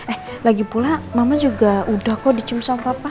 eh lagi pula mama juga udah kok dicium sama papa